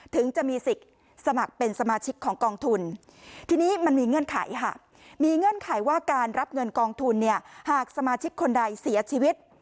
ถึงจะมีสิทธิ์สมัครเป็นสมาชิกของกองทุนทีนี้มันมีเงื่อนไขค่ะมีเงื่อนไขว่าการรับเงินกองทุนเนี่ยหากสมาชิกคนใดเสียชีวิต